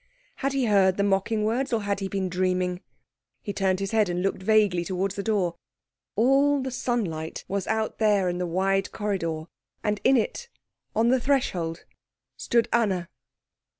Had he heard the mocking words, or had he been dreaming? He turned his head and looked vaguely towards the door. All the sunlight was out there in the wide corridor, and in it, on the threshold, stood Anna.